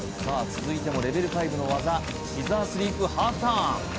続いてもレベル５の技シザースリープ１／２ターン